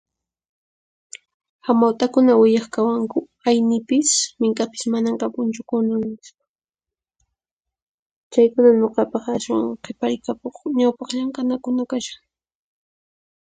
Hamawt'akuna willaq kawanku aynipis mink'apis manan kapunchu kunan, nispa. Chaykuna nuqapaq ashwan qiparikapuq ñawpaq llank'anakuna kashan.